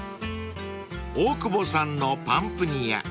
［大久保さんのパンプニア］